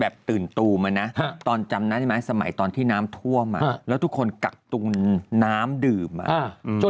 แบบตื่นตูมมานะตอนจำน่ะใช่ไหมสมัยตอนที่น้ำทั่วมาแล้วทุกคนกักตูน้ำดื่มมา